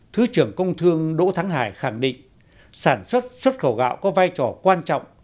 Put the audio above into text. thứ trưởng công thương đỗ thắng hải khẳng định sản xuất xuất khẩu gạo có vai trò quan trọng